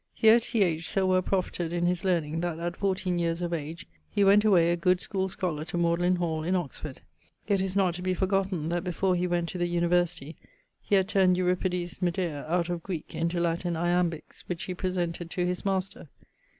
Here T. H. so well profited in his learning, that at fourteen yeares of age, he went away a good schoole scholar to Magdalen hall, in Oxford. It is not to be forgotten, that before he went to the University, he had turned Euripidis Medea out of Greeke into Latin Iambiques, which he presented to his master.